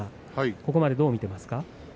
ここまでどう見ていますか。